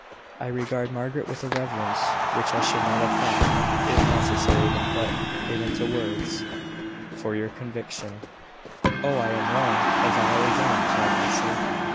I regard Margaret with a reverence which I should not have thought it necessary to put into words for your conviction." "Oh, I am wrong as I always am!" cried Hester.